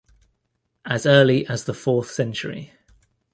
As early as the fourth century.